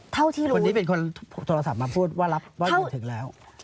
คนนี้เป็นคนโทรศัพท์มาพูดว่ารับเงินถึงแล้ว